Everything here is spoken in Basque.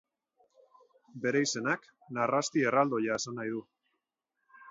Bere izenak narrasti erraldoia esan nahi du.